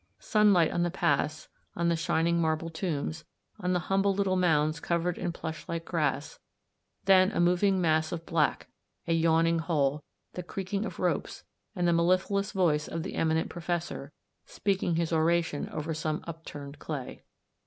Sunlight on the paths, on the shining marble tombs, on the humble little mounds covered with plush like grass ; then a moving mass of black, a yawning hole, the creaking of ropes, and the mellifluous voice of the eminent professor, speaking his oration over the upturned clay.